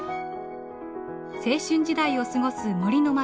青春時代を過ごす森の町